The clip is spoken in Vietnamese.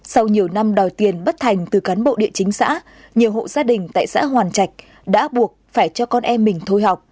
sau nhiều năm đòi tiền bất thành từ cán bộ địa chính xã nhiều hộ gia đình tại xã hoàn trạch đã buộc phải cho con em mình thôi học